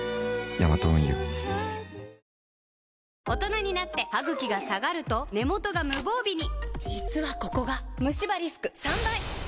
大人になってハグキが下がると根元が無防備に実はここがムシ歯リスク３倍！